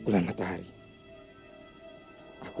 kenapa kau terjebak